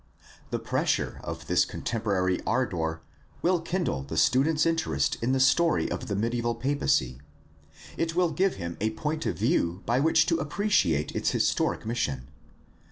The pressure of this contemporary ardor will kindle the student's interest in the story of the mediaeval papacy. It will give him a point of view by which to appreciate its historic mission.